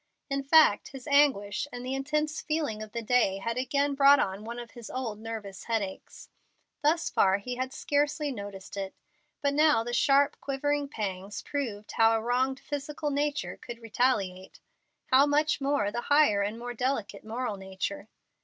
In fact, his anguish and the intense feeling of the day had again brought on one of his old nervous headaches. Thus far he had scarcely noticed it, but now the sharp, quivering pangs proved how a wronged physical nature could retaliate; how much more the higher and more delicate moral nature!